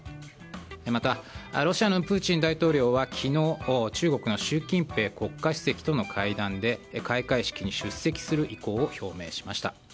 また、ロシアのプーチン大統領は昨日、中国の習近平国家主席との会談で、開会式に出席する意向を表明しました。